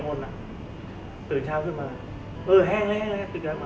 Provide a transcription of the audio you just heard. ครับเดี๋ยวเผื่อโอกาสหน้าเจอกันเรื่อยนะครับขอบคุณครับ